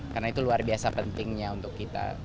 karena itu luar biasa pentingnya untuk kita